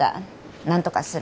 なんとかする。